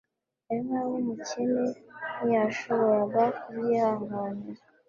Eva w'umukene ntiyashoboraga kubyihanganira